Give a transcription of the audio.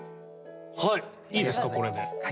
はいいいですかこれで。